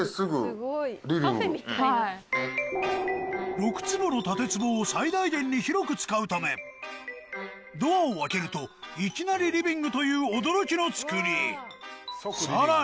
６坪の建坪を最大限に広く使うためドアを開けるといきなりリビングという驚きの造りさらに！